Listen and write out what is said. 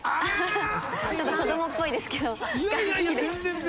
いいですね。